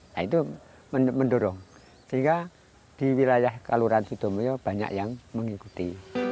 nah itu mendorong sehingga di wilayah kaluran sudomuyo banyak yang mengikuti